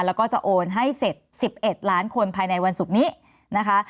แล้วก็จะโอนให้เสร็จ๑๑ล้านคนภายในวันศุกร์นี้นะคะ